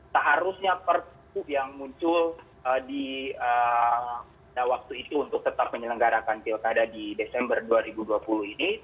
seharusnya perpu yang muncul di waktu itu untuk tetap menyelenggarakan pilkada di desember dua ribu dua puluh ini